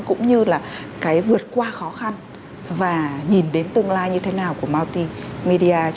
cũng như là cái vượt qua khó khăn và nhìn đến tương lai như thế nào của multimediajsg